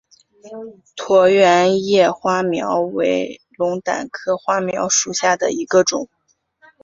椭圆叶花锚为龙胆科花锚属下的一个种。